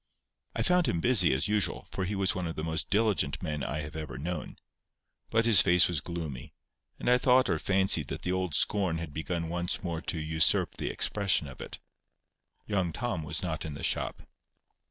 I found him busy, as usual, for he was one of the most diligent men I have ever known. But his face was gloomy, and I thought or fancied that the old scorn had begun once more to usurp the expression of it. Young Tom was not in the shop.